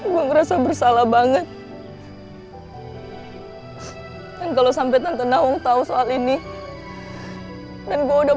kayaknya buat maken benar picked up